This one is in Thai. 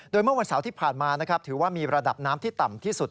โดยเมื่อวันเสาร์ที่ผ่านมานะครับถือว่ามีระดับน้ำที่ต่ำที่สุด